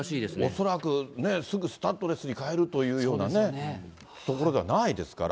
恐らくすぐスタッドレスに替えるというようなね、所ではないですから。